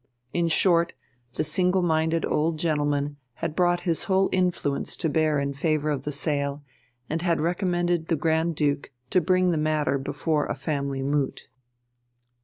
In short, the single minded old gentleman had brought his whole influence to bear in favour of the sale, and had recommended the Grand Duke to bring the matter before a family moot.